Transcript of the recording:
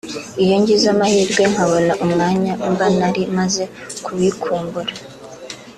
iyo ngize amahirwe nkabona uwo mwanya mba nari maze kubikumbura